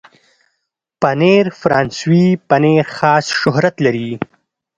پنېر فرانسوي پنېر خاص شهرت لري.